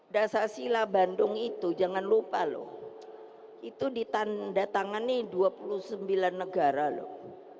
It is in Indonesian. dasar sila bandung itu jangan lupa loh itu ditanda tangani dua puluh sembilan negara loh